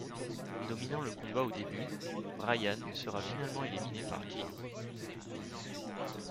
Dominant le combat au début, Bryan sera finalement éliminé par Jin.